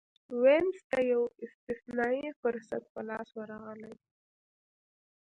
وینز ته یو استثنايي فرصت په لاس ورغلی و.